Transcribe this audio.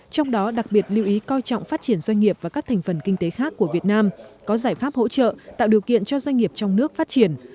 trong đó đặc biệt lưu ý coi trọng phát triển doanh nghiệp và các thành phần kinh tế khác của việt nam có giải pháp hỗ trợ tạo điều kiện cho doanh nghiệp trong nước phát triển